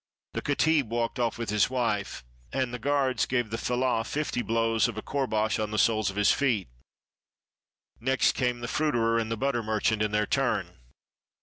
The katib walked off with his wife, and the guards gave the fellah fifty blows of a courbash on the soles of his feet. Next came the fruiterer and the butter merchant in their turn.